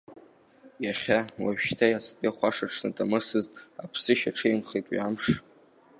Иахьа, уажәшьҭа иацтәи ахәашаҽны дамысызт, аԥсышьа ҽеимхеит уи амш.